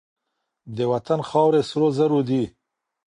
د وطن خاورې سرو زرو دي.